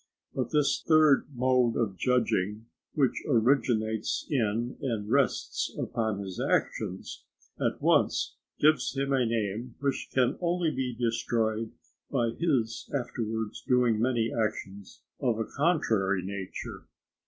But this third mode of judging, which originates in and rests upon his actions, at once gives him a name which can only be destroyed by his afterwards doing many actions of a contrary nature.